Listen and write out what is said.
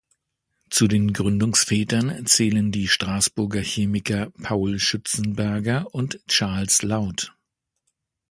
Zu den Gründungsvätern zählen die Straßburger Chemiker Paul Schützenberger und Charles Lauth.